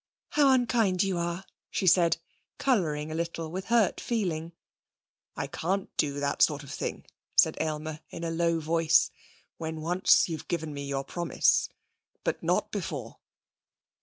'How unkind you are!' she said, colouring a little with hurt feeling. 'I can't do that sort of thing,' said Aylmer in a low voice. 'When once you've given me your promise but not before.'